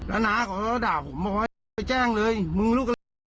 แล้วน้าเขาก็ด่าผมบอกว่าไปแจ้งเลยมึงลูก